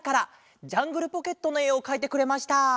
「ジャングルポケット」のえをかいてくれました。